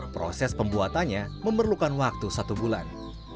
proses pembuatannya memerlukan waktu satu bulan